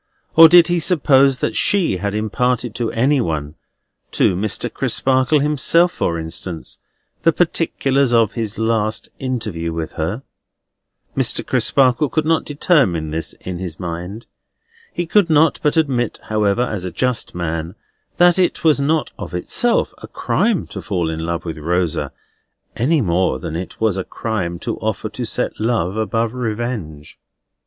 or did he suppose that she had imparted to any one—to Mr. Crisparkle himself, for instance—the particulars of his last interview with her? Mr. Crisparkle could not determine this in his mind. He could not but admit, however, as a just man, that it was not, of itself, a crime to fall in love with Rosa, any more than it was a crime to offer to set love above revenge.